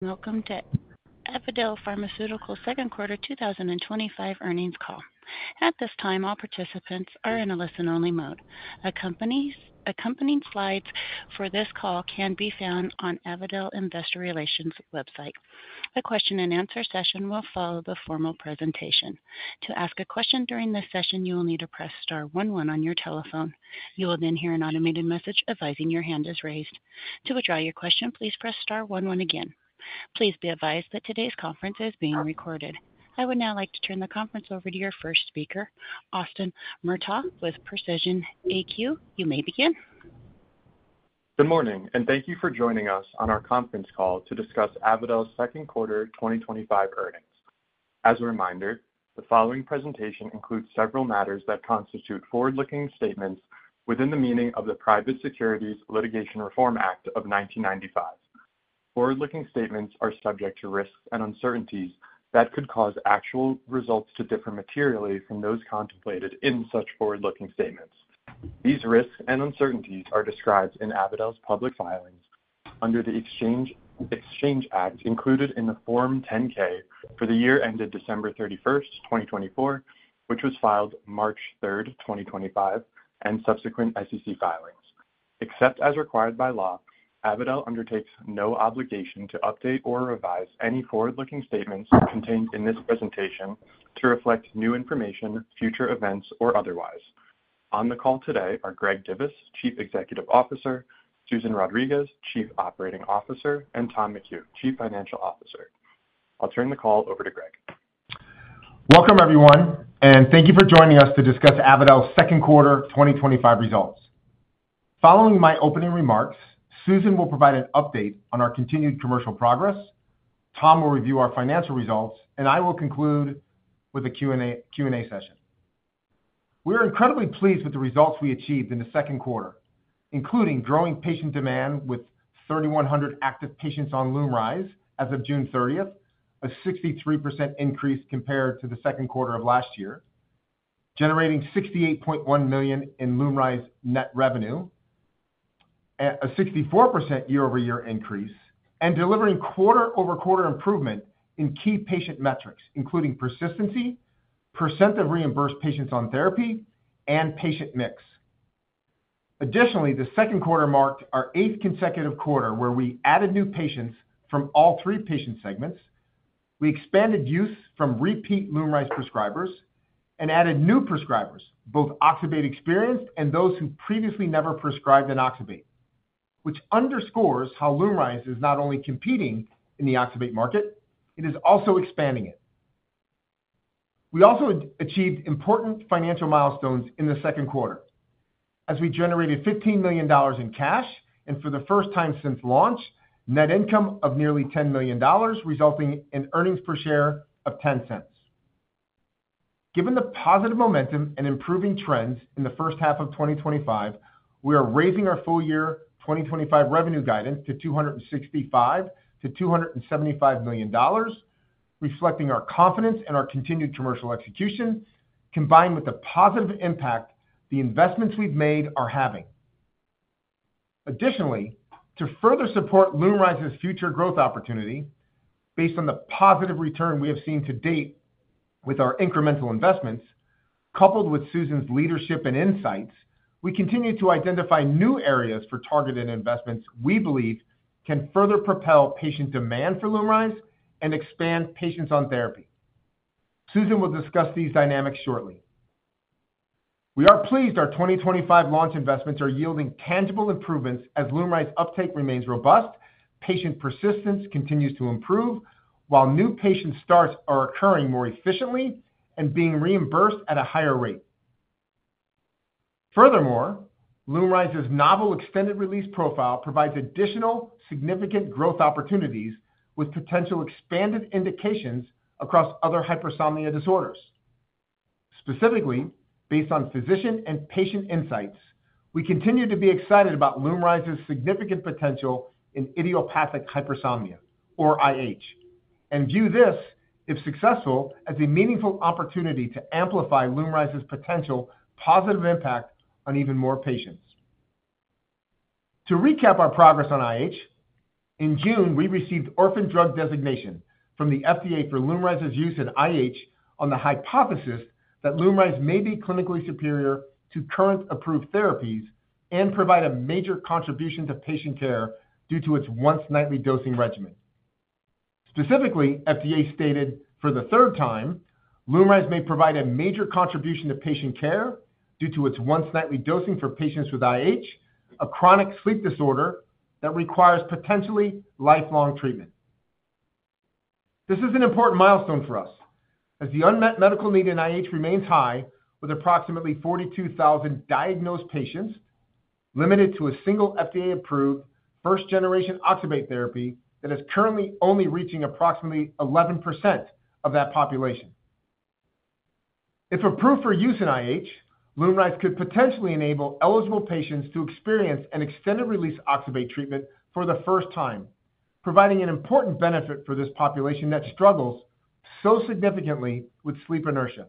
Welcome to Avadel Pharmaceuticals' Second Quarter 2025 Earnings Call. At this time, all participants are in a listen-only mode. Accompanying slides for this call can be found on Avadel Investor Relations' website. A question and answer session will follow the formal presentation. To ask a question during this session, you will need to press star one one on your telephone. You will then hear an automated message advising your hand is raised. To withdraw your question, please press star one one again. Please be advised that today's conference is being recorded. I would now like to turn the conference over to your first speaker, Austin Murtagh with Precision AQ. You may begin. Good morning, and thank you for joining us on our conference call to discuss Avadel's second quarter 2025 earnings. As a reminder, the following presentation includes several matters that constitute forward-looking statements within the meaning of the Private Securities Litigation Reform Act of 1995. Forward-looking statements are subject to risks and uncertainties that could cause actual results to differ materially from those contemplated in such forward-looking statements. These risks and uncertainties are described in Avadel's public filings under the Exchange Act included in the Form 10-K for the year ended December 31, 2024, which was filed March 3, 2025, and subsequent SEC filings. Except as required by law, Avadel undertakes no obligation to update or revise any forward-looking statements contained in this presentation to reflect new information, future events, or otherwise. On the call today are Greg Divis, Chief Executive Officer; Susan Rodriguez, Chief Operating Officer; and Tom McHugh, Chief Financial Officer. I'll turn the call over to Gregory. Welcome, everyone, and thank you for joining us to discuss Avadel's second quarter 2025 results. Following my opening remarks, Susan will provide an update on our continued commercial progress, Tom will review our financial results, and I will conclude with a Q&A session. We are incredibly pleased with the results we achieved in the second quarter, including growing patient demand with 3,100 active patients on LUMRYZ as of June 30, a 63% increase compared to the second quarter of last year, generating $68.1 million in LUMRYZ net revenue, a 64% year-over-year increase, and delivering quarter-over-quarter improvement in key patient metrics, including persistency, percent of reimbursed patients on therapy, and patient mix. Additionally, the second quarter marked our eighth consecutive quarter where we added new patients from all three patient segments, we expanded use from repeat LUMRYZ prescribers, and added new prescribers, both oxybate experienced and those who previously never prescribed an oxybate, which underscores how LUMRYZ is not only competing in the oxybate market, it is also expanding it. We also achieved important financial milestones in the second quarter, as we generated $15 million in cash and, for the first time since launch, net income of nearly $10 million, resulting in earnings per share of $0.10. Given the positive momentum and improving trends in the first half of 2025, we are raising our full-year 2025 revenue guidance to $265 million-$275 million, reflecting our confidence in our continued commercial execution, combined with the positive impact the investments we've made are having. Additionally, to further support LUMRYZ's future growth opportunity based on the positive return we have seen to date with our incremental investments, coupled with Susan's leadership and insights, we continue to identify new areas for targeted investments we believe can further propel patient demand for LUMRYZ and expand patients on therapy. Susan will discuss these dynamics shortly. We are pleased our 2025 launch investments are yielding tangible improvements as LUMRYZ uptake remains robust, patient persistency continues to improve, while new patient starts are occurring more efficiently and being reimbursed at a higher rate. Furthermore, LUMRYZ's novel extended-release profile provides additional significant growth opportunities with potential expanded indications across other hypersomnia disorders. Specifically, based on physician and patient insights, we continue to be excited about LUMRYZ's significant potential in idiopathic hypersomnia, or IH, and view this, if successful, as a meaningful opportunity to amplify LUMRYZ's potential positive impact on even more patients. To recap our progress on IH, in June, we received orphan drug designation from the FDA for LUMRYZ's use in IH on the hypothesis that LUMRYZ may be clinically superior to current approved therapies and provide a major contribution to patient care due to its once-nightly dosing regimen. Specifically, FDA stated for the third time, LUMRYZ may provide a major contribution to patient care due to its once-nightly dosing for patients with IH, a chronic sleep disorder that requires potentially lifelong treatment. This is an important milestone for us, as the unmet medical need in IH remains high, with approximately 42,000 diagnosed patients limited to a single FDA-approved first-generation oxybate therapy that is currently only reaching approximately 11% of that population. If approved for use in IH, LUMRYZ could potentially enable eligible patients to experience an extended-release oxybate treatment for the first time, providing an important benefit for this population that struggles so significantly with sleep inertia.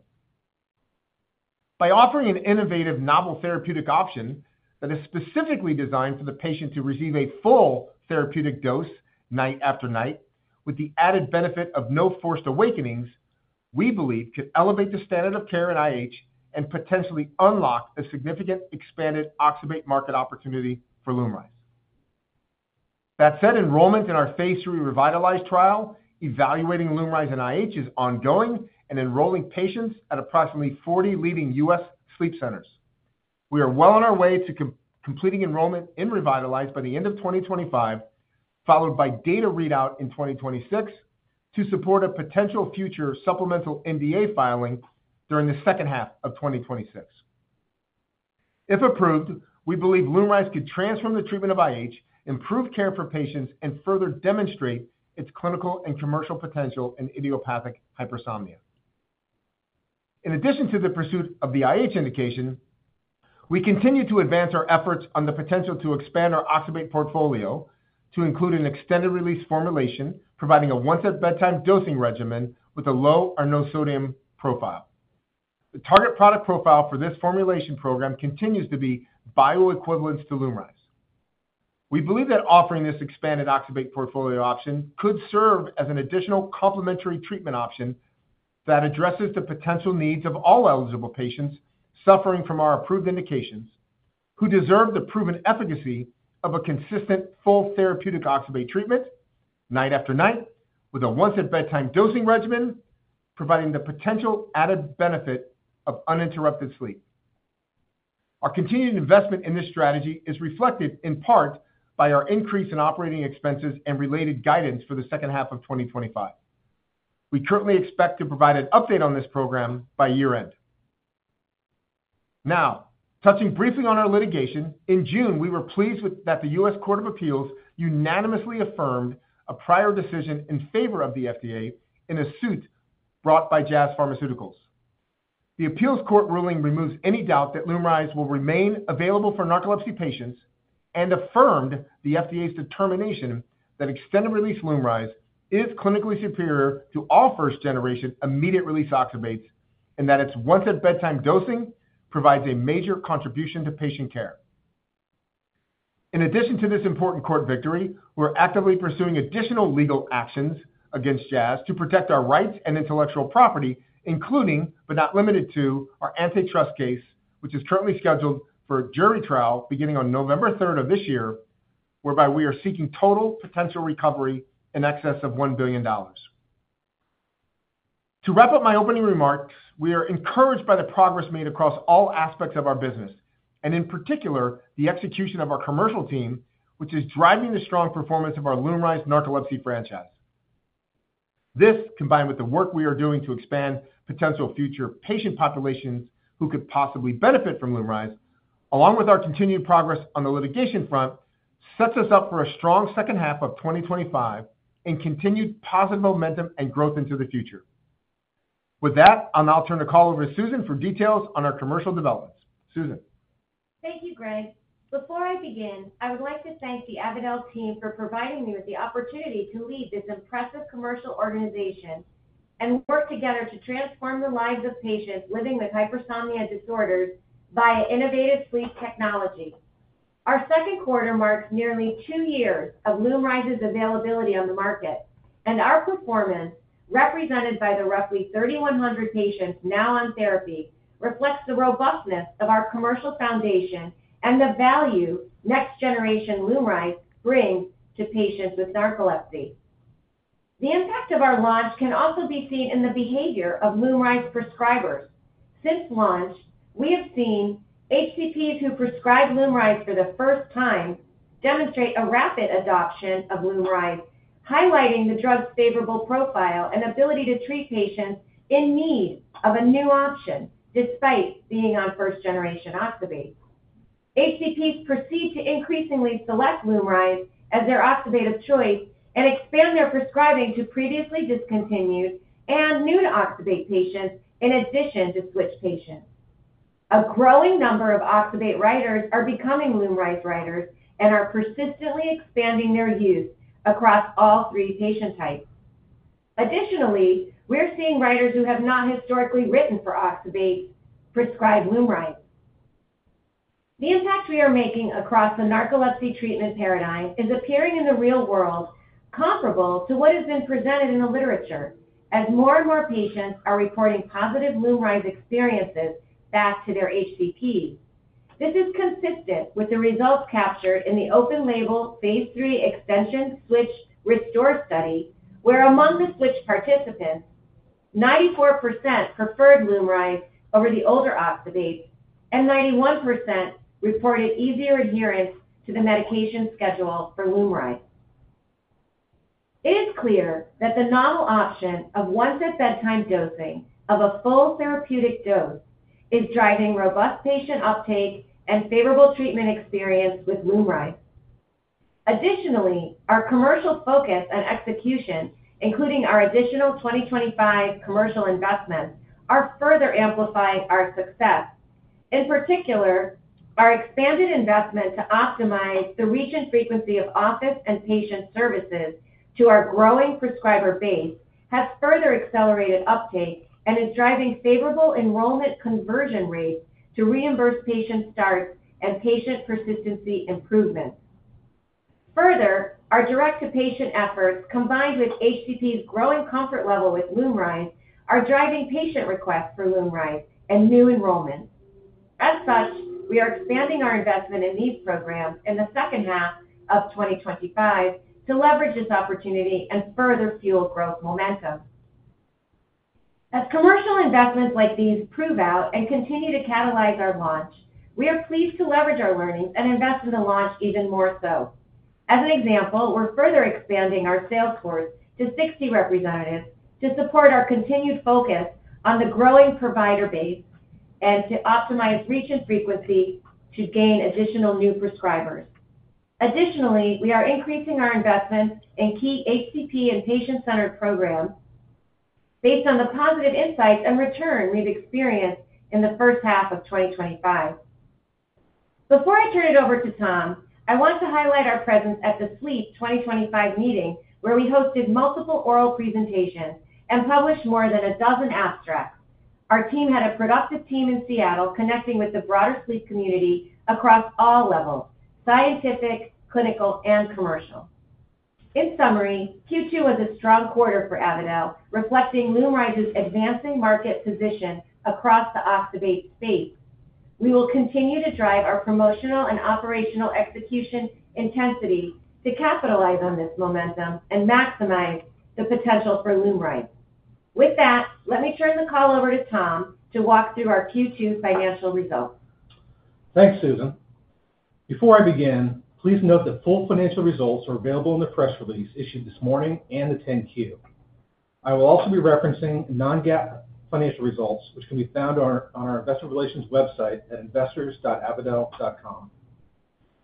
By offering an innovative, novel therapeutic option that is specifically designed for the patient to receive a full therapeutic dose night after night, with the added benefit of no forced awakenings, we believe this could elevate the standard of care in IH and potentially unlock a significant expanded oxybate market opportunity for LUMRYZ. That said, enrollment in our phase III REVITALYZ trial evaluating LUMRYZ in IH is ongoing and enrolling patients at approximately 40 leading U.S. sleep centers. We are well on our way to completing enrollment in REVITALYZ by the end of 2025, followed by data readout in 2026 to support a potential future supplemental NDA filing during the second half of 2026. If approved, we believe LUMRYZ could transform the treatment of IH, improve care for patients, and further demonstrate its clinical and commercial potential in idiopathic hypersomnia. In addition to the pursuit of the IH indication, we continue to advance our efforts on the potential to expand our oxybate portfolio to include an extended-release formulation providing a once-a-bedtime dosing regimen with a low or no sodium profile. The target product profile for this formulation program continues to be bioequivalent to LUMRYZ. We believe that offering this expanded oxybate portfolio option could serve as an additional complementary treatment option that addresses the potential needs of all eligible patients suffering from our approved indication who deserve the proven efficacy of a consistent full therapeutic oxybate treatment night after night with a once-a-bedtime dosing regimen providing the potential added benefit of uninterrupted sleep. Our continued investment in this strategy is reflected in part by our increase in operating expenses and related guidance for the second half of 2025. We currently expect to provide an update on this program by year-end. Now, touching briefly on our litigation, in June, we were pleased that the U.S. Court of Appeals unanimously affirmed a prior decision in favor of the FDA in a suit brought by Jazz Pharmaceuticals. The Appeals Court ruling removes any doubt that LUMRYZ will remain available for narcolepsy patients and affirmed the FDA's determination that extended-release LUMRYZ is clinically superior to all first-generation immediate-release oxybates and that its once-a-bedtime dosing provides a major contribution to patient care. In addition to this important court victory, we're actively pursuing additional legal actions against Jazz to protect our rights and intellectual property, including but not limited to our antitrust case, which is currently scheduled for a jury trial beginning on November 3rd of this year, whereby we are seeking total potential recovery in excess of $1 billion. To wrap up my opening remarks, we are encouraged by the progress made across all aspects of our business, and in particular, the execution of our commercial team, which is driving the strong performance of our LUMRYZ narcolepsy franchise. This, combined with the work we are doing to expand potential future patient populations who could possibly benefit from LUMRYZ, along with our continued progress on the litigation front, sets us up for a strong second half of 2025 and continued positive momentum and growth into the future. With that, I'll now turn the call over to Susan for details on our commercial developments. Susan. Thank you, Greg. Before I begin, I would like to thank the Avadel team for providing me with the opportunity to lead this impressive commercial organization and work together to transform the lives of patients living with hypersomnia disorders via innovative sleep technology. Our second quarter marks nearly two years of LUMRYZ's availability on the market, and our performance, represented by the roughly 3,100 patients now on therapy, reflects the robustness of our commercial foundation and the value next-generation LUMRYZ brings to patients with narcolepsy. The impact of our launch can also be seen in the behavior of LUMRYZ prescribers. Since launch, we have seen HCPs who prescribe LUMRYZ for the first time demonstrate a rapid adoption of LUMRYZ, highlighting the drug's favorable profile and ability to treat patients in need of a new option despite being on first-generation oxybate. HCPs proceed to increasingly select LUMRYZ as their oxybate of choice and expand their prescribing to previously discontinued and new to oxybate patients in addition to switch patients. A growing number of oxybate writers are becoming LUMRYZ writers and are persistently expanding their use across all three patient types. Additionally, we're seeing writers who have not historically written for oxybate prescribe LUMRYZ. The impact we are making across the narcolepsy treatment paradigm is appearing in the real world, comparable to what has been presented in the literature, as more and more patients are reporting positive LUMRYZ experiences back to their HCP. This is consistent with the results captured in the open-label phase III extension switch restore study, where among the switch participants, 94% preferred LUMRYZ over the older oxybate and 91% reported easier adherence to the medication schedule for LUMRYZ. It is clear that the novel option of once-a-bedtime dosing of a full therapeutic dose is driving robust patient uptake and favorable treatment experience with LUMRYZ. Additionally, our commercial focus and execution, including our additional 2025 commercial investments, are further amplifying our success. In particular, our expanded investment to optimize the region frequency of office and patient services to our growing prescriber base has further accelerated uptake and is driving favorable enrollment conversion rates to reimburse patient starts and patient persistency improvements. Further, our direct-to-patient efforts, combined with HCP's growing comfort level with LUMRYZ, are driving patient requests for LUMRYZ and new enrollment. As such, we are expanding our investment in these programs in the second half of 2025 to leverage this opportunity and further fuel growth momentum. As commercial investments like these prove out and continue to catalyze our launch, we are pleased to leverage our learnings and invest in the launch even more so. As an example, we're further expanding our sales force to 60 representatives to support our continued focus on the growing provider base and to optimize region frequency to gain additional new prescribers. Additionally, we are increasing our investments in key HCP and patient-centered programs based on the positive insights and return we've experienced in the first half of 2025. Before I turn it over to Tom, I want to highlight our presence at the Sleep 2025 meeting, where we hosted multiple oral presentations and published more than a dozen abstracts. Our team had a productive time in Seattle connecting with the broader sleep community across all levels: scientific, clinical, and commercial. In summary, Q2 was a strong quarter for Avadel, reflecting LUMRYZ's advancing market position across the oxybate space. We will continue to drive our promotional and operational execution intensity to capitalize on this momentum and maximize the potential for LUMRYZ. With that, let me turn the call over to Tom to walk through our Q2 financial results. Thanks, Susan. Before I begin, please note that full financial results are available in the press release issued this morning and the 10-Q. I will also be referencing non-GAAP financial results, which can be found on our investor relations website at investors.avadel.com.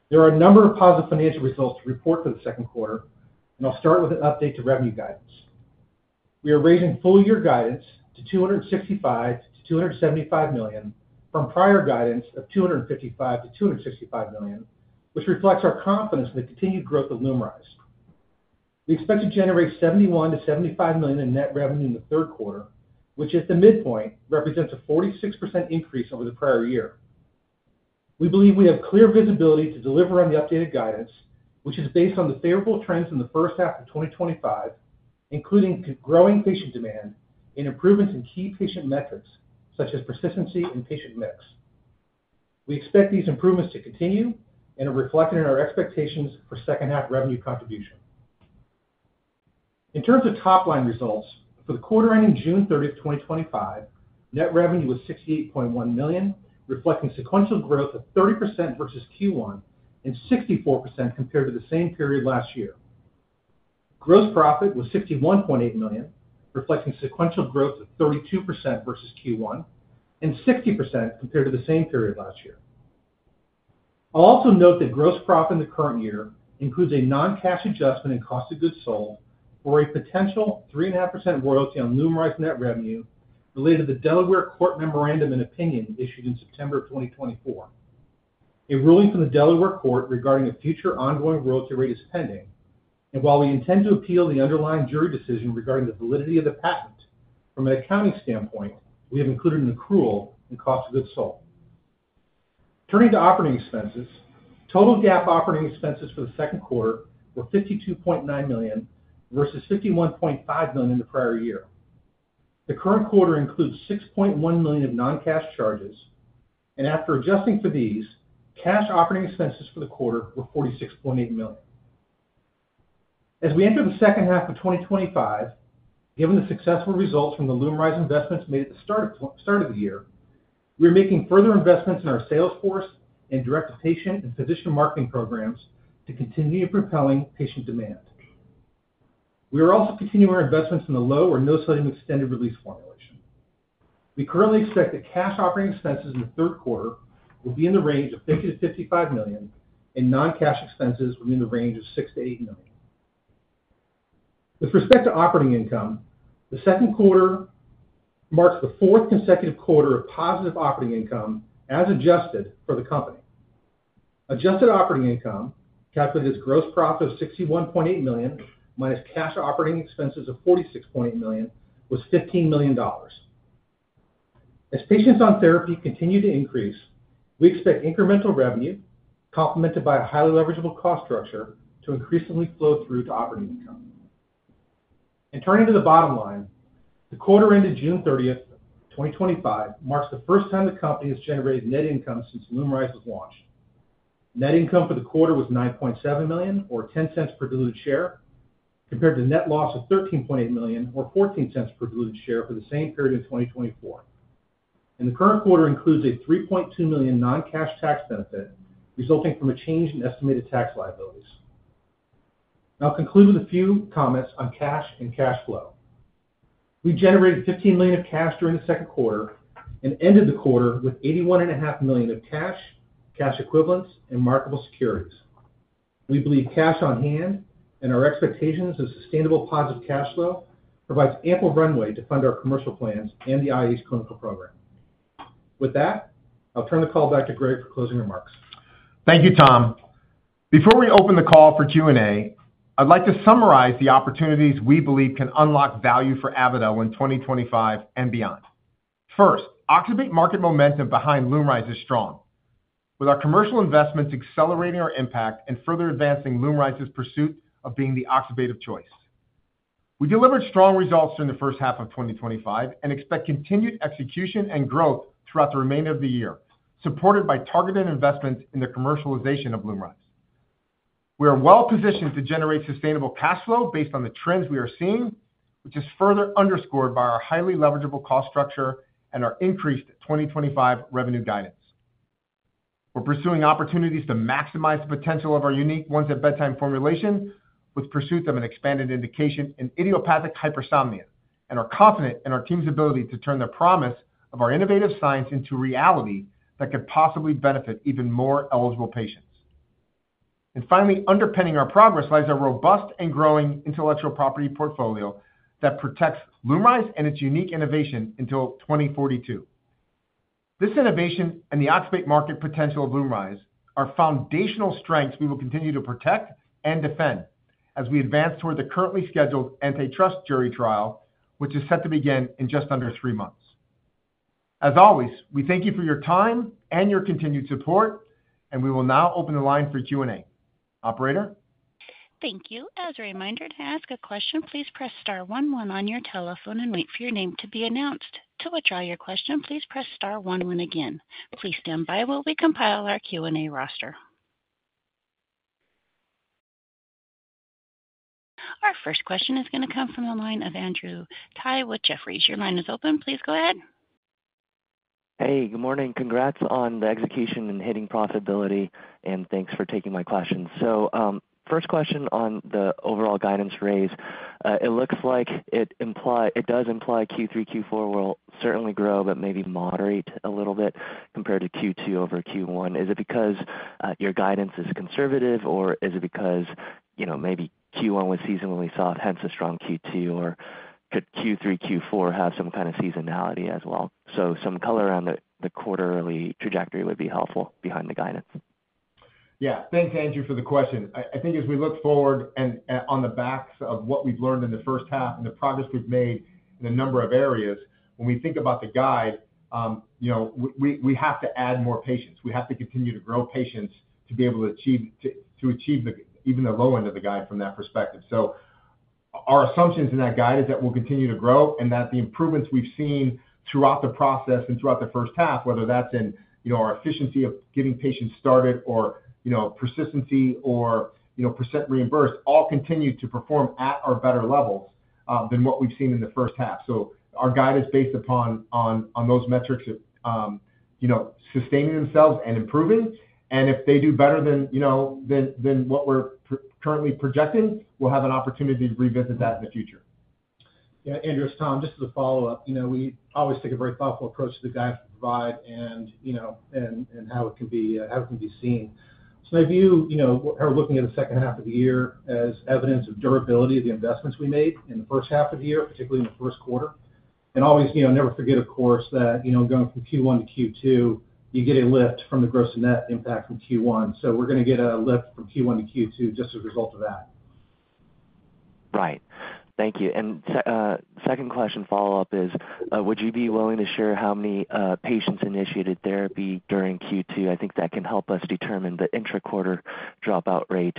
There are a number of positive financial results to report for the second quarter, and I'll start with an update to revenue guidance. We are raising full-year guidance to $265 million-$275 million from prior guidance of $255 million-$265 million, which reflects our confidence in the continued growth of LUMRYZ. We expect to generate $71 million-$75 million in net revenue in the third quarter, which at the midpoint represents a 46% increase over the prior year. We believe we have clear visibility to deliver on the updated guidance, which is based on the favorable trends in the first half of 2025, including growing patient demand and improvements in key patient metrics, such as persistency and patient mix. We expect these improvements to continue and are reflected in our expectations for second half revenue contribution. In terms of top line results, for the quarter ending June 30, 2025, net revenue was $68.1 million, reflecting sequential growth of 30% versus Q1 and 64% compared to the same period last year. Gross profit was $51.8 million, reflecting sequential growth of 32% versus Q1 and 60% compared to the same period last year. I'll also note that gross profit in the current year includes a non-cash adjustment in cost of goods sold for a potential 3.5% royalty on LUMRYZ net revenue related to the Delaware Court memorandum in opinion issued in September 2024. A ruling from the Delaware Court regarding a future ongoing royalty rate is pending, and while we intend to appeal the underlying jury decision regarding the validity of the patent, from an accounting standpoint, we have included an accrual in cost of goods sold. Turning to operating expenses, total GAAP operating expenses for the second quarter were $52.9 million versus $51.5 million in the prior year. The current quarter includes $6.1 million of non-cash charges, and after adjusting for these, cash operating expenses for the quarter were $46.8 million. As we enter the second half of 2025, given the successful results from the LUMRYZ investments made at the start of the year, we are making further investments in our sales force and direct-to-patient and physician marketing programs to continue propelling patient demand. We are also continuing our investments in the low or no sodium extended-release formulation. We currently expect that cash operating expenses in the third quarter will be in the range of $50 million-$55 million, and non-cash expenses will be in the range of $6 million-$8 million. With respect to operating income, the second quarter marks the fourth consecutive quarter of positive operating income as adjusted for the company. Adjusted operating income, calculated as gross profit of $61.8 million minus cash operating expenses of $46.8 million, was $15 million. As patients on therapy continue to increase, we expect incremental revenue, complemented by a highly leverageable cost structure, to increasingly flow through to operating income. Turning to the bottom line, the quarter ended June 30, 2025, marks the first time the company has generated net income since LUMRYZ was launched. Net income for the quarter was $9.7 million or $0.10 per diluted share, compared to net loss of $13.8 million or $0.14 per diluted share for the same period in 2024. The current quarter includes a $3.2 million non-cash tax benefit resulting from a change in estimated tax liabilities. I'll conclude with a few comments on cash and cash flow. We generated $15 million of cash during the second quarter and ended the quarter with $81.5 million of cash, cash equivalents, and marketable securities. We believe cash on hand and our expectations of sustainable positive cash flow provide ample runway to fund our commercial plans and the IH clinical program. With that, I'll turn the call back to Greg for closing remarks. Thank you, Tom. Before we open the call for Q&A, I'd like to summarize the opportunities we believe can unlock value for Avadel in 2025 and beyond. First, oxybate market momentum behind LUMRYZ is strong, with our commercial investments accelerating our impact and further advancing LUMRYZ's pursuit of being the oxybate of choice. We delivered strong results during the first half of 2025 and expect continued execution and growth throughout the remainder of the year, supported by targeted investments in the commercialization of LUMRYZ. We are well positioned to generate sustainable cash flow based on the trends we are seeing, which is further underscored by our highly leverageable cost structure and our increased 2025 revenue guidance. We are pursuing opportunities to maximize the potential of our unique once-a-bedtime formulation, with pursuit of an expanded indication in idiopathic hypersomnia, and are confident in our team's ability to turn the promise of our innovative science into reality that could possibly benefit even more eligible patients. Finally, underpinning our progress lies our robust and growing intellectual property portfolio that protects LUMRYZ and its unique innovation until 2042. This innovation and the oxybate market potential of LUMRYZ are foundational strengths we will continue to protect and defend as we advance toward the currently scheduled antitrust jury trial, which is set to begin in just under three months. As always, we thank you for your time and your continued support, and we will now open the line for Q&A. Operator? Thank you. As a reminder, to ask a question, please press star one one on your telephone and wait for your name to be announced. To withdraw your question, please press star one one again. Please stand by while we compile our Q&A roster. Our first question is going to come from the line of Andrew Tsai with Jefferies. Your line is open. Please go ahead. Hey, good morning. Congrats on the execution and hitting profitability, and thanks for taking my questions. First question on the overall guidance raised. It looks like it does imply Q3-Q4 will certainly grow, but maybe moderate a little bit compared to Q2 over Q1. Is it because your guidance is conservative, or is it because, you know, maybe Q1 was seasonally soft, hence a strong Q2, or could Q3-Q4 have some kind of seasonality as well? Some color on the quarterly trajectory would be helpful behind the guidance. Yeah, thanks, Andrew, for the question. I think as we look forward and on the backs of what we've learned in the first half and the progress we've made in a number of areas, when we think about the guide, we have to add more patients. We have to continue to grow patients to be able to achieve even the low end of the guide from that perspective. Our assumptions in that guide is that we'll continue to grow and that the improvements we've seen throughout the process and throughout the first half, whether that's in our efficiency of getting patients started or, you know, persistency or, you know, percent reimbursed, all continue to perform at our better levels than what we've seen in the first half. Our guide is based upon those metrics of sustaining themselves and improving. If they do better than what we're currently projecting, we'll have an opportunity to revisit that in the future. Yeah, Andrew, it's Tom. Just as a follow-up, we always take a very thoughtful approach to the guidance we provide and how it can be seen. My view, we're looking at the second half of the year as evidence of durability of the investments we made in the first half of the year, particularly in the first quarter. Never forget, of course, that going from Q1 to Q2, you get a lift from the gross net impact from Q1. We're going to get a lift from Q1 to Q2 just as a result of that. Thank you. The second question follow-up is, would you be willing to share how many patients initiated therapy during Q2? I think that can help us determine the intra-quarter dropout rate.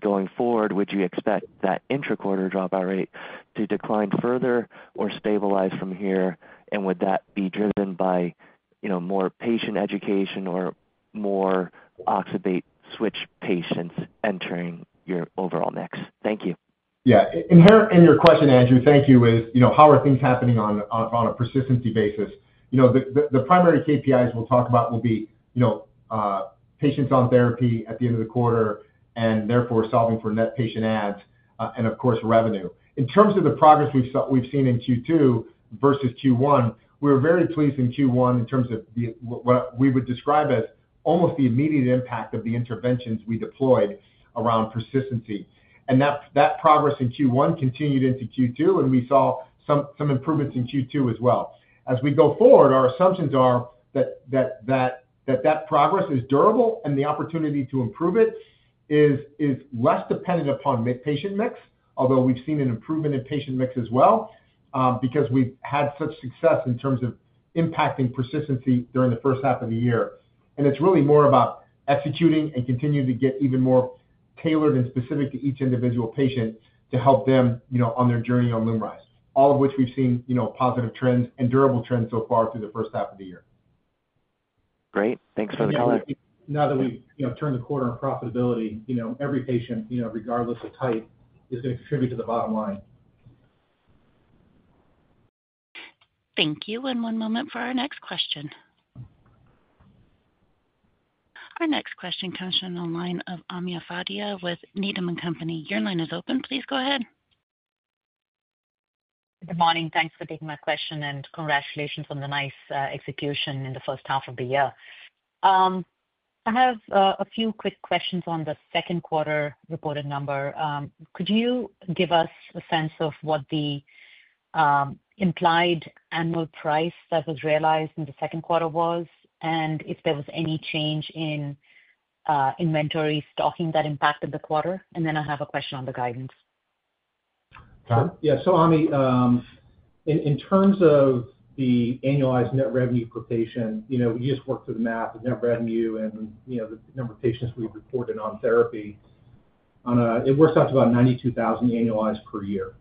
Going forward, would you expect that intra-quarter dropout rate to decline further or stabilize from here? Would that be driven by more patient education or more oxybate switch patients entering your overall mix? Thank you. Yeah, inherent in your question, Andrew, thank you, is how are things happening on a persistency basis? The primary KPIs we'll talk about will be patients on therapy at the end of the quarter and therefore solving for net patient adds and, of course, revenue. In terms of the progress we've seen in Q2 versus Q1, we were very pleased in Q1 in terms of what we would describe as almost the immediate impact of the interventions we deployed around persistency. That progress in Q1 continued into Q2, and we saw some improvements in Q2 as well. As we go forward, our assumptions are that progress is durable and the opportunity to improve it is less dependent upon mid-patient mix, although we've seen an improvement in patient mix as well because we've had such success in terms of impacting persistency during the first half of the year. It's really more about executing and continuing to get even more tailored and specific to each individual patient to help them on their journey on LUMRYZ, all of which we've seen positive trends and durable trends so far through the first half of the year. Great. Thanks for the color. Now that we've turned the quarter on profitability, every patient, regardless of type, is going to contribute to the bottom line. Thank you. One moment for our next question. Our next question comes from the line of Ami Fadia with Needham & Company. Your line is open. Please go ahead. Good morning. Thanks for taking my question and congratulations on the nice execution in the first half of the year. I have a few quick questions on the second quarter reported number. Could you give us a sense of what the implied annual price that was realized in the second quarter was, and if there was any change in inventory stocking that impacted the quarter? I have a question on the guidance. Yeah. In terms of the annualized net revenue quotation, we just worked through the math of net revenue and the number of patients we've reported on therapy. It works out to about $92,000 annualized per year,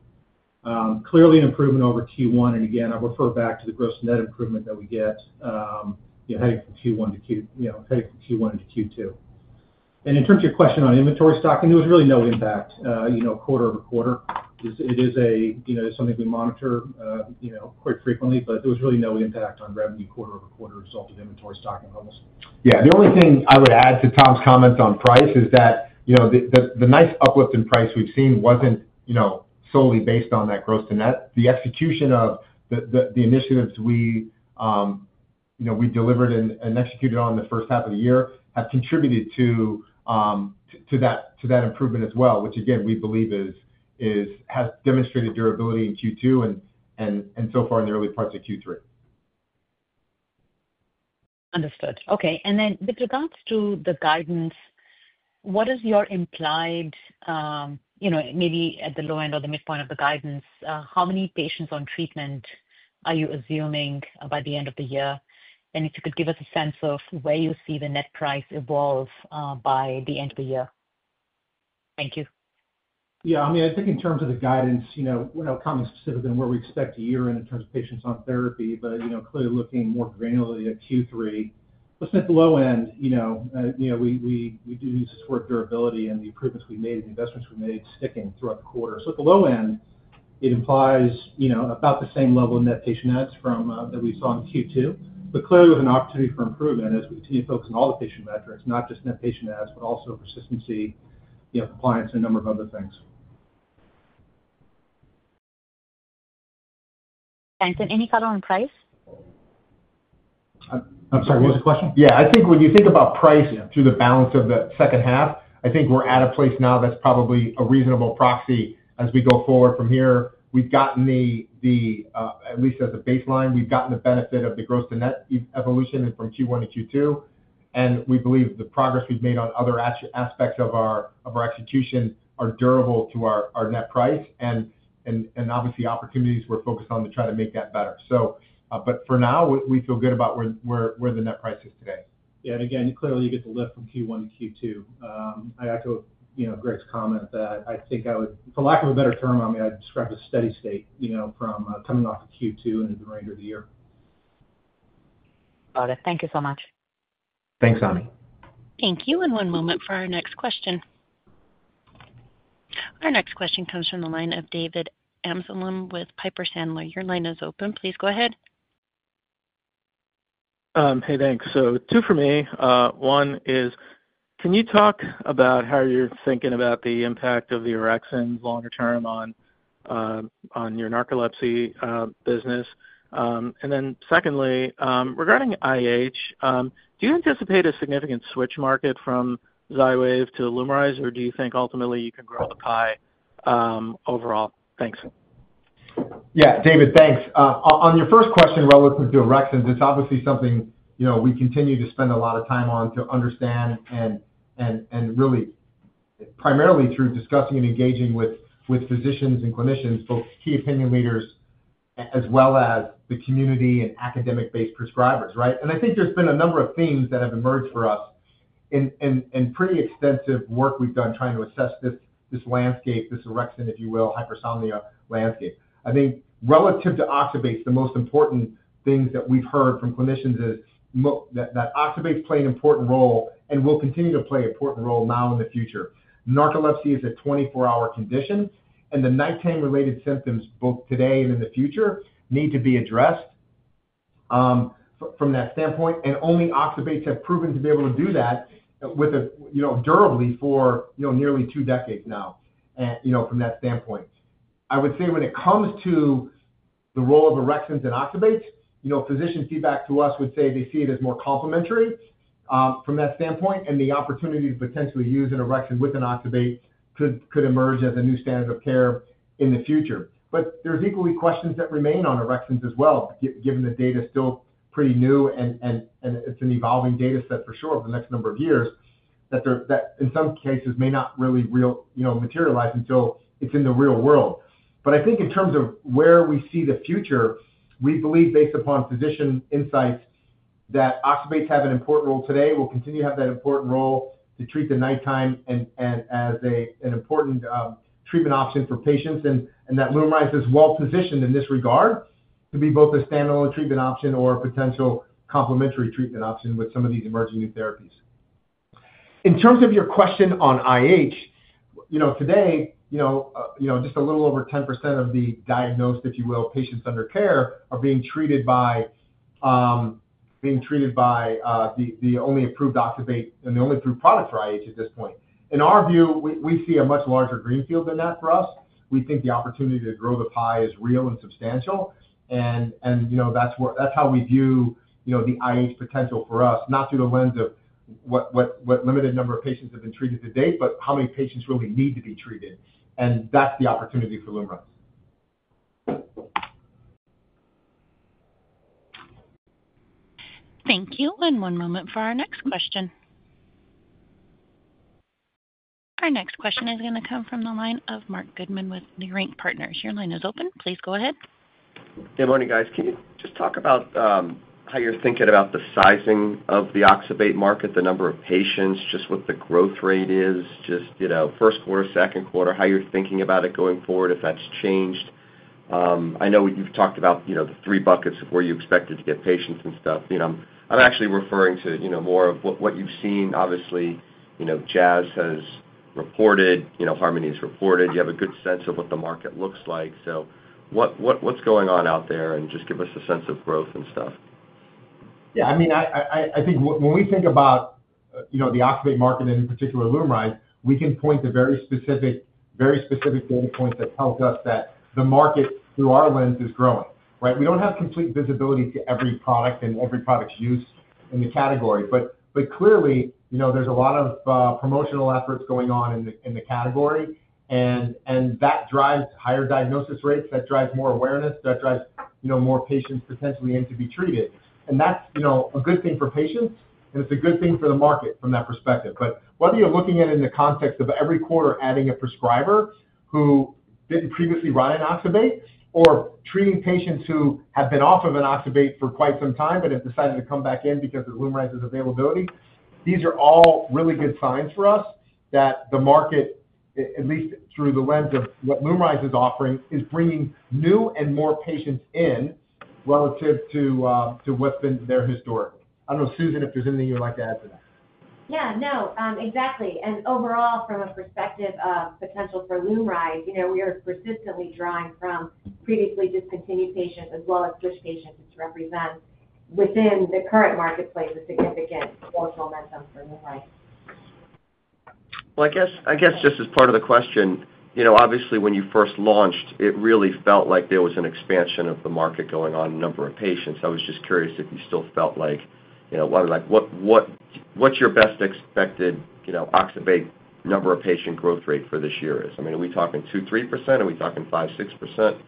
clearly an improvement over Q1. I'll refer back to the gross net improvement that we get heading from Q1 to Q2. In terms of your question on inventory stocking, there was really no impact quarter-over-quarter. It is something we monitor quite frequently, but there was really no impact on quarter-over-quarter as a result of inventory stocking rooms. Yeah. The only thing I would add to Tom's comments on price is that the nice uplift in price we've seen wasn't solely based on that gross to net. The execution of the initiatives we delivered and executed on in the first half of the year have contributed to that improvement as well, which, again, we believe has demonstrated durability in Q2 and so far in the early parts of Q3. Understood. Okay. With regards to the guidance, what is your implied, you know, maybe at the low end or the midpoint of the guidance, how many patients on treatment are you assuming by the end of the year? If you could give us a sense of where you see the net price evolve by the end of the year. Thank you. Yeah. I mean, I think in terms of the guidance, we're not commenting specifically on what we expect a year in in terms of patients on therapy, but clearly looking more granularly at Q3. At the low end, we do support durability and the improvements we've made and investments we've made sticking throughout the quarter. At the low end, it implies about the same level of net patient adds that we saw in Q2. Clearly, there's an opportunity for improvement as we continue to focus on all the patient metrics, not just net patient adds, but also persistency, compliance, and a number of other things. Thanks. Any cut on price? I'm sorry, what was the question? I think when you think about price through the balance of the second half, I think we're at a place now that's probably a reasonable prophecy as we go forward from here. We've gotten the, at least as a baseline, we've gotten the benefit of the gross to net evolution from Q1 to Q2. We believe the progress we've made on other aspects of our execution are durable to our net price. Obviously, opportunities we're focused on to try to make that better. For now, we feel good about where the net price is today. Yeah. Clearly, you get the lift from Q1 to Q2. I'd have to, you know, Greg's comment that I think I would, for lack of a better term, describe a steady state, you know, from coming off of Q2 into the remainder of the year. Got it. Thank you so much. Thanks, Ami. Thank you. One moment for our next question. Our next question comes from the line of David Amsellem with Piper Sandler. Your line is open. Please go ahead. Thanks. Two for me. One is, can you talk about how you're thinking about the impact of the orexin longer-term on your narcolepsy business? Secondly, regarding IH, do you anticipate a significant switch market from Xywav to LUMRYZ, or do you think ultimately you can grow the pie overall? Thanks. Yeah, David, thanks. On your first question relative to orexins, it's obviously something we continue to spend a lot of time on to understand and really primarily through discussing and engaging with physicians and clinicians, both key opinion leaders as well as the community and academic-based prescribers, right? I think there's been a number of themes that have emerged for us in pretty extensive work we've done trying to assess this landscape, this orexin, if you will, hypersomnia landscape. I think relative to oxybate, the most important things that we've heard from clinicians is that oxybate's playing an important role and will continue to play an important role now and in the future. Narcolepsy is a 24-hour condition, and the nighttime-related symptoms, both today and in the future, need to be addressed from that standpoint. Only oxybates have proven to be able to do that durably for nearly two decades now from that standpoint. I would say when it comes to the role of orexins in oxybates, physician feedback to us would say they see it as more complementary from that standpoint, and the opportunity to potentially use an orexin with an oxybate could emerge as a new standard of care in the future. There are equally questions that remain on orexins as well, given the data is still pretty new and it's an evolving data set for sure over the next number of years that in some cases may not really materialize until it's in the real world. I think in terms of where we see the future, we believe, based upon physician insights, that oxybates have an important role today, will continue to have that important role to treat the nighttime and as an important treatment option for patients. LUMRYZ is well positioned in this regard to be both a standalone treatment option or a potential complementary treatment option with some of these emerging new therapies. In terms of your question on IH, today, just a little over 10% of the diagnosed, if you will, patients under care are being treated by the only approved oxybate and the only approved products for IH at this point. In our view, we see a much larger greenfield than that for us. We think the opportunity to grow the pie is real and substantial. That's how we view the IH potential for us, not through the lens of what limited number of patients have been treated to date, but how many patients really need to be treated. That's the opportunity for LUMRYZ. Thank you. One moment for our next question. Our next question is going to come from the line of Marc Goodman with Leerink Partners. Your line is open. Please go ahead. Good morning, guys. Can you just talk about how you're thinking about the sizing of the oxybate market, the number of patients, just what the growth rate is, first quarter, second quarter, how you're thinking about it going forward, if that's changed? I know you've talked about the three buckets of where you expected to get patients and stuff. I'm actually referring to more of what you've seen. Obviously, Jazz has reported, Harmony has reported. You have a good sense of what the market looks like. What's going on out there? Just give us a sense of growth and stuff. Yeah. I mean, I think when we think about, you know, the oxybate market and in particular LUMRYZ, we can point to very specific, very specific data points that tell us that the market through our lens is growing, right? We don't have complete visibility to every product and every product's use in the category. Clearly, you know, there's a lot of promotional efforts going on in the category. That drives higher diagnosis rates, that drives more awareness, that drives, you know, more patients potentially in to be treated. That's, you know, a good thing for patients, and it's a good thing for the market from that perspective. Whether you're looking at it in the context of every quarter adding a prescriber who didn't previously run an oxybate or treating patients who have been off of an oxybate for quite some time but have decided to come back in because of LUMRYZ's availability, these are all really good signs for us that the market, at least through the lens of what LUMRYZ is offering, is bringing new and more patients in relative to what's been their history. I don't know, Susan, if there's anything you'd like to add to that. No, exactly. Overall, from a perspective of potential for LUMRYZ, we are persistently drawing from previously discontinued patients as well as switch patients to represent within the current marketplace with significance. Just as part of the question, obviously, when you first launched, it really felt like there was an expansion of the market going on in the number of patients. I was just curious if you still felt like, you know, what's your best expected, you know, oxybate number of patient growth rate for this year is? I mean, are we talking 2%, 3%? Are we talking 5%, 6%?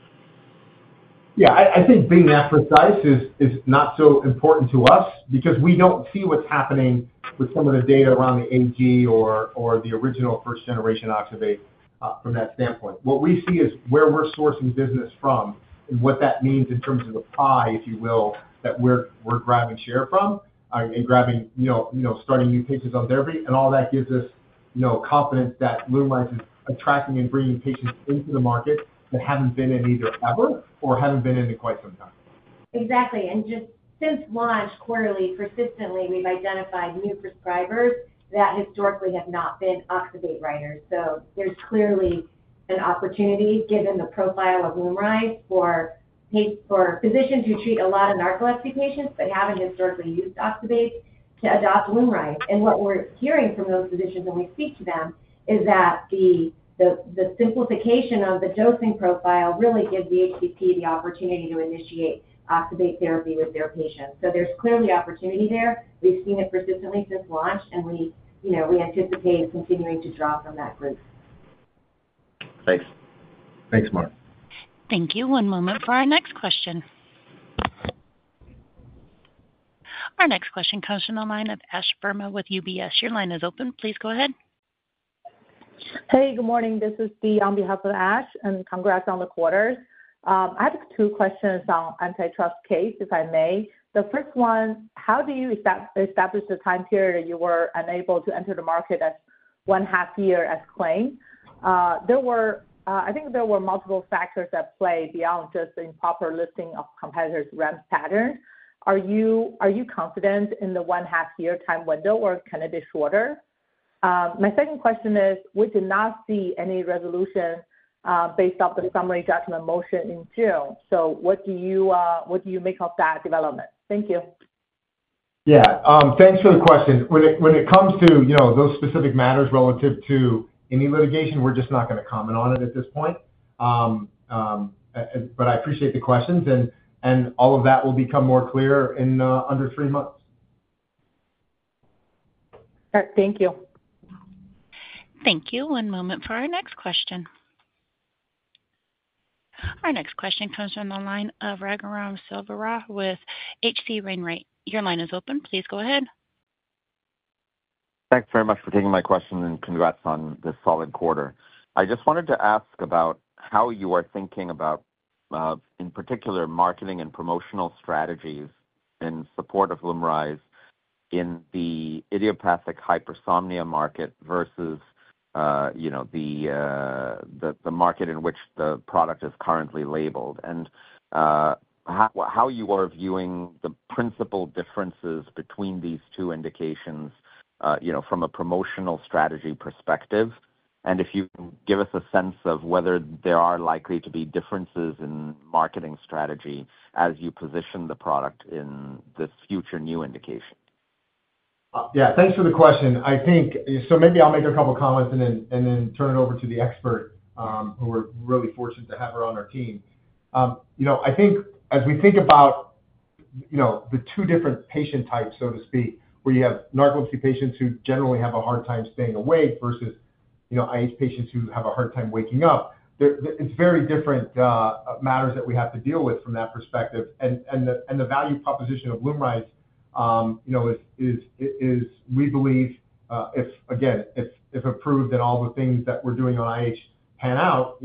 Yeah. I think being that precise is not so important to us because we don't see what's happening with some of the data around the NG or the original first-generation oxybate from that standpoint. What we see is where we're sourcing business from and what that means in terms of the pie, if you will, that we're grabbing share from, grabbing, you know, starting new patients on therapy. All that gives us, you know, confidence that LUMRYZ is attracting and bringing patients into the market that haven't been in either ever or haven't been in in quite some time. Exactly. Just since launch, quarterly, persistently, we've identified new prescribers that historically have not been oxybate writers. There's clearly an opportunity, given the profile of LUMRYZ, for physicians who treat a lot of narcolepsy patients but haven't historically used oxybate to adopt LUMRYZ. What we're hearing from those physicians when we speak to them is that the simplification of the dosing profile really gives the HCP the opportunity to initiate oxybate therapy with their patients. There's clearly opportunity there. We've seen it persistently since launch, and we anticipate continuing to draw from that group. Thanks. Thanks, Marc. Thank you. One moment for our next question. Our next question comes from the line of Ash Burman with UBS. Your line is open. Please go ahead. Hey, good morning. This is Dee on behalf of Ash, and congrats on the quarters. I have two questions on the antitrust case, if I may. The first one, how do you establish the time period that you were unable to enter the market at one-half year as claimed? There were, I think there were multiple factors that played beyond just the improper listing of competitors' rent patterns. Are you confident in the one-half year time window, or can it be shorter? My second question is, we did not see any resolution based off the summary judgment motion in June. What do you make of that development? Thank you. Thanks for the question. When it comes to those specific matters relative to any litigation, we're just not going to comment on it at this point. I appreciate the questions, and all of that will become more clear in under three months. All right. Thank you. Thank you. One moment for our next question. Our next question comes from the line of Raghuram Selvaraju with H.C. Wainwright. Your line is open. Please go ahead. Thanks very much for taking my question and congrats on the solid quarter. I just wanted to ask about how you are thinking about, in particular, marketing and promotional strategies in support of LUMRYZ in the idiopathic hypersomnia market versus, you know, the market in which the product is currently labeled and how you are viewing the principal differences between these two indications from a promotional strategy perspective. If you can give us a sense of whether there are likely to be differences in marketing strategy as you position the product in this future new indication. Yeah. Thanks for the question. I think maybe I'll make a couple of comments and then turn it over to the expert, who we're really fortunate to have her on our team. I think as we think about the two different patient types, so to speak, where you have narcolepsy patients who generally have a hard time staying awake versus IH patients who have a hard time waking up, it's very different matters that we have to deal with from that perspective. The value proposition of LUMRYZ, we believe, if, again, it's approved and all the things that we're doing on IH pan out,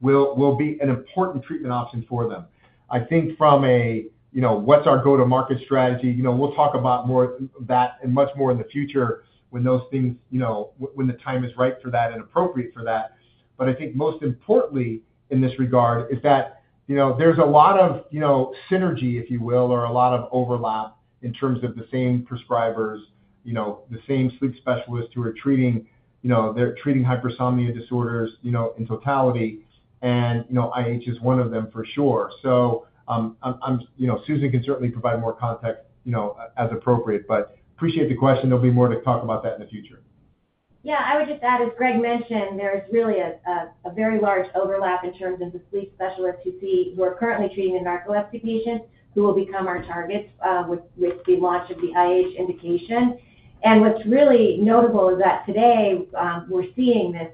will be an important treatment option for them. I think from a what's our go-to-market strategy, we'll talk about more of that and much more in the future when those things, when the time is right for that and appropriate for that. I think most importantly in this regard is that there's a lot of synergy, if you will, or a lot of overlap in terms of the same prescribers, the same sleep specialists who are treating hypersomnia disorders in totality. IH is one of them for sure. Susan can certainly provide more context, as appropriate, but appreciate the question. There'll be more to talk about that in the future. Yeah. I would just add, as Greg mentioned, there is really a very large overlap in terms of the sleep specialists who see, who are currently treating the narcolepsy patients who will become our targets with the launch of the IH indication. What's really notable is that today we're seeing this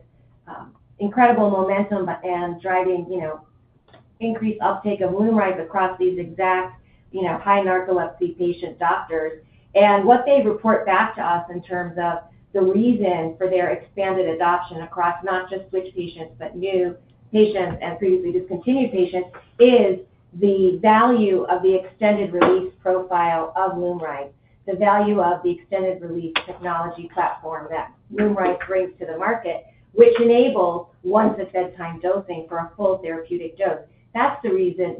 incredible momentum and driving increased uptake of LUMRYZ across these exact high narcolepsy patient doctors. What they report back to us in terms of the reason for their expanded adoption across not just switch patients, but new patients and previously discontinued patients, is the value of the extended-release profile of LUMRYZ, the value of the extended-release technology platform that LUMRYZ brings to the market, which enables once-a-bedtime dosing for a full therapeutic dose. That's the reason,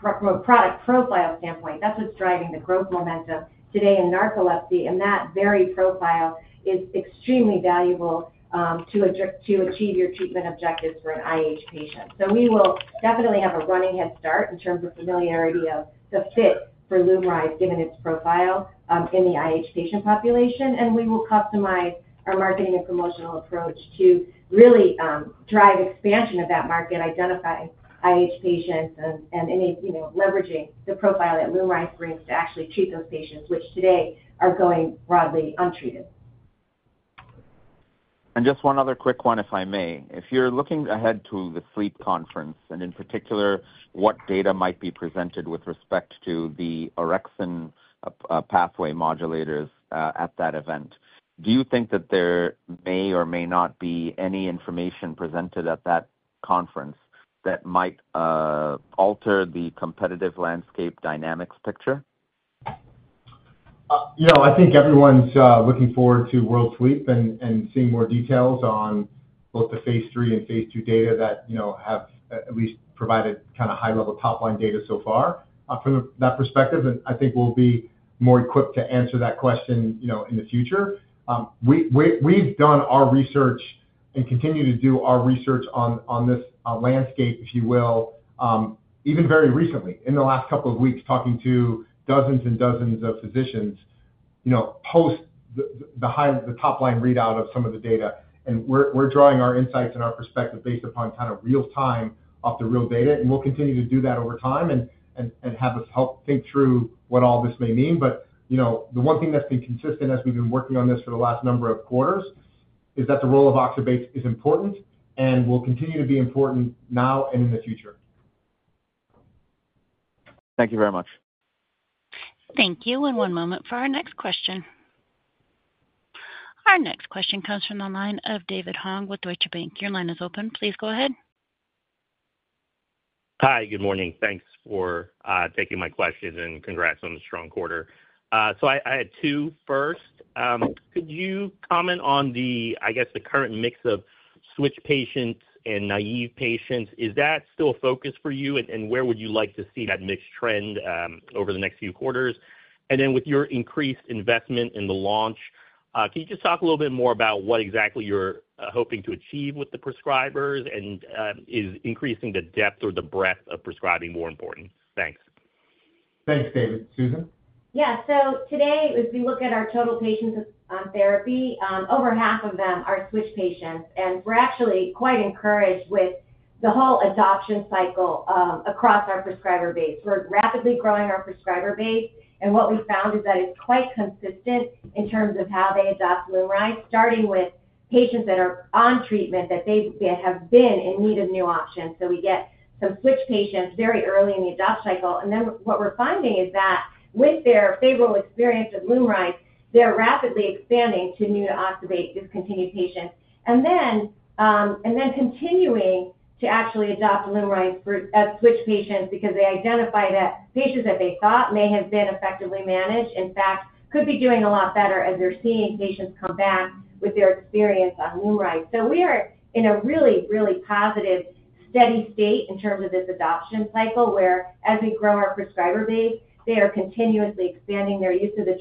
from a product profile standpoint, that's what's driving the growth momentum today in narcolepsy. That very profile is extremely valuable to achieve your treatment objectives for an IH patient. We will definitely have a running head start in terms of familiarity of the fit for LUMRYZ, given its profile in the IH patient population. We will customize our marketing and promotional approach to really drive expansion of that market, identifying IH patients, and leveraging the profile that LUMRYZ brings to actually treat those patients, which today are going broadly untreated. Just one other quick one, if I may. If you're looking ahead to the Sleep Conference, and in particular, what data might be presented with respect to the orexin pathway modulators at that event, do you think that there may or may not be any information presented at that conference that might alter the competitive landscape dynamics picture? I think everyone's looking forward to World Sleep and seeing more details on both the phase III and phase II data that have at least provided kind of high-level top-line data so far from that perspective. I think we'll be more equipped to answer that question in the future. We've done our research and continue to do our research on this landscape, even very recently in the last couple of weeks, talking to dozens and dozens of physicians post behind the top-line readout of some of the data. We're drawing our insights and our perspective based upon kind of real-time off the real data. We'll continue to do that over time and have us help think through what all this may mean. The one thing that's been consistent as we've been working on this for the last number of quarters is that the role of oxybate is important and will continue to be important now and in the future. Thank you very much. Thank you. One moment for our next question. Our next question comes from the line of David Hong with Deutsche Bank. Your line is open. Please go ahead. Hi. Good morning. Thanks for taking my question and congrats on the strong quarter. I had two. Could you comment on the, I guess, the current mix of switch patients and naive patients? Is that still a focus for you? Where would you like to see that mix trend over the next few quarters? With your increased investment in the launch, can you just talk a little bit more about what exactly you're hoping to achieve with the prescribers? Is increasing the depth or the breadth of prescribing more important? Thanks. Thanks, David. Susan? Yeah. Today, if we look at our total patients on therapy, over half of them are switch patients. We're actually quite encouraged with the whole adoption cycle across our prescriber base. We're rapidly growing our prescriber base, and what we found is that it's quite consistent in terms of how they adopt LUMRYZ, starting with patients that are on treatment that they have been in need of new options. We get some switch patients very early in the adoption cycle. What we're finding is that with their favorable experience with LUMRYZ, they're rapidly expanding to new oxybate discontinued patients, and then continuing to actually adopt LUMRYZ as switch patients because they identified patients that they thought may have been effectively managed. In fact, could be doing a lot better as they're seeing patients come back with their experience on LUMRYZ. We are in a really, really positive, steady state in terms of this adoption cycle where, as we grow our prescriber base, they are continuously expanding their use of the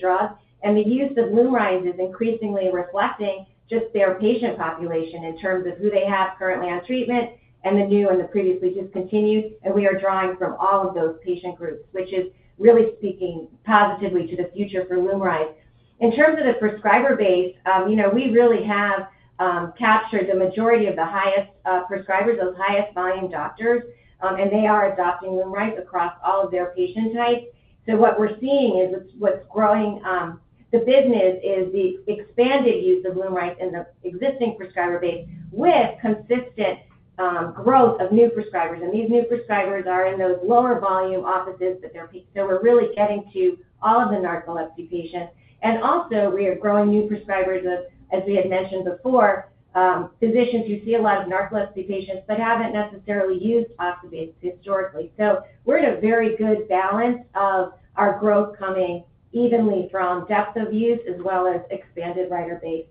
drug. The use of LUMRYZ is increasingly reflecting just their patient population in terms of who they have currently on treatment and the new and the previously discontinued. We are drawing from all of those patient groups, which is really speaking positively to the future for LUMRYZ. In terms of the prescriber base, we really have captured the majority of the highest prescribers, those highest volume doctors, and they are adopting LUMRYZ across all of their patient types. What we're seeing is what's growing the business is the expanded use of LUMRYZ in the existing prescriber base with consistent growth of new prescribers. These new prescribers are in those lower volume offices that they're patients. We're really getting to all of the narcolepsy patients. Also, we are growing new prescribers of, as we had mentioned before, physicians who see a lot of narcolepsy patients but haven't necessarily used oxybate historically. We're in a very good balance of our growth coming evenly from depth of use as well as expanded writer base.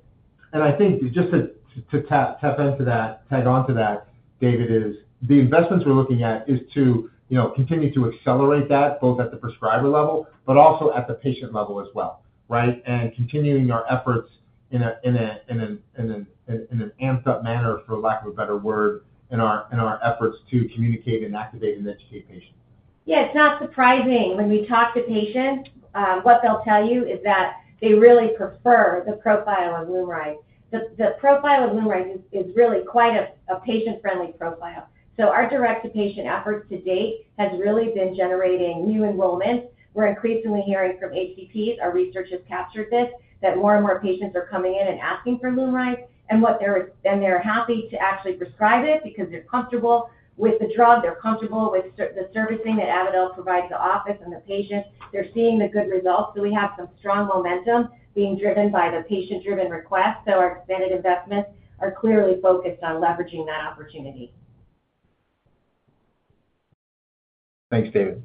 I think just to tap into that, tag on to that, David, the investments we're looking at is to, you know, continue to accelerate that both at the prescriber level, but also at the patient level as well, right? Continuing our efforts in an amped-up manner, for lack of a better word, in our efforts to communicate and activate and educate patients. Yeah. It's not surprising when we talk to patients, what they'll tell you is that they really prefer the profile of LUMRYZ. The profile of LUMRYZ is really quite a patient-friendly profile. Our direct-to-patient efforts to date have really been generating new enrollment. We're increasingly hearing from HCPs, our research has captured this, that more and more patients are coming in and asking for LUMRYZ. They're happy to actually prescribe it because they're comfortable with the drug. They're comfortable with the servicing that Avadel provides the office and the patients. They're seeing the good results. We have some strong momentum being driven by the patient-driven request. Our competitive investments are clearly focused on leveraging that opportunity. Thanks, David.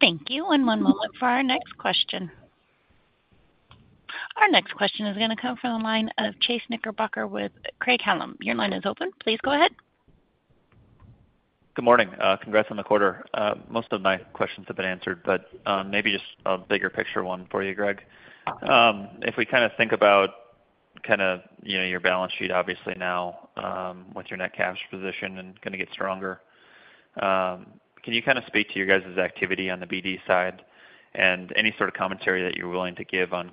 Thank you. One moment for our next question. Our next question is going to come from the line of Chase Knickerbocker with Craig-Hallum. Your line is open. Please go ahead. Good morning. Congrats on the quarter. Most of my questions have been answered, but maybe just a bigger picture one for you, Greg. If we think about your balance sheet, obviously now, what's your net cash position and going to get stronger? Can you speak to your guys' activity on the BD side and any sort of commentary that you're willing to give on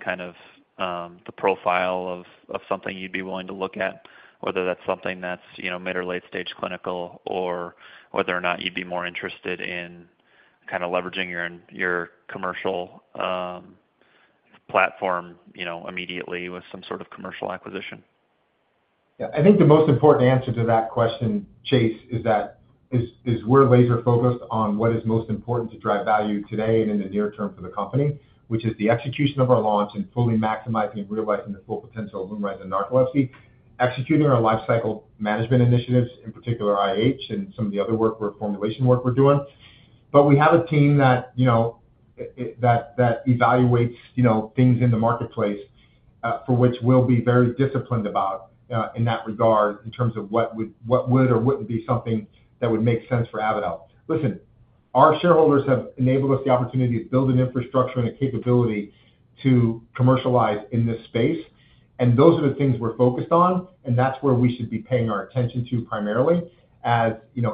the profile of something you'd be willing to look at, whether that's something that's mid or late-stage clinical or whether or not you'd be more interested in leveraging your commercial platform immediately with some sort of commercial acquisition? Yeah. I think the most important answer to that question, Chase, is that we're laser-focused on what is most important to drive value today and in the near term for the company, which is the execution of our launch and fully maximizing and utilizing the full potential of LUMRYZ in narcolepsy, executing our lifecycle management initiatives, in particular IH and some of the other formulation work we're doing. We have a team that evaluates things in the marketplace for which we'll be very disciplined about in that regard in terms of what would or wouldn't be something that would make sense for Avadel. Our shareholders have enabled us the opportunity to build an infrastructure and a capability to commercialize in this space. Those are the things we're focused on. That's where we should be paying our attention to primarily as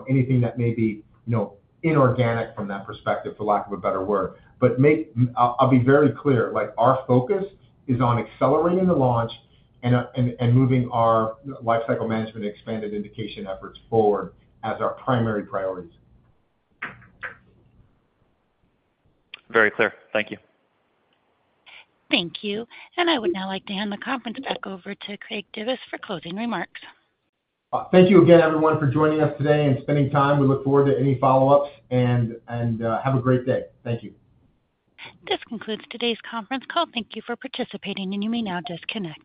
anything that may be inorganic from that perspective, for lack of a better word. I'll be very clear, our focus is on accelerating the launch and moving our lifecycle management expanded indication efforts forward as our primary priorities. Very clear. Thank you. Thank you. I would now like to hand the conference back over to Greg Divis for closing remarks. Thank you again, everyone, for joining us today and spending time. We look forward to any follow-ups. Have a great day. Thank you. This concludes today's conference call. Thank you for participating, and you may now disconnect.